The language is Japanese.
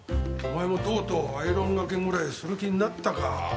お前もとうとうアイロンがけぐらいする気になったか。